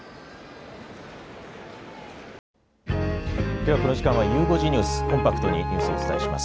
ではこの時間はゆう５時ニュース、コンパクトにニュースをお伝えします。